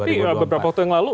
tapi beberapa waktu yang lalu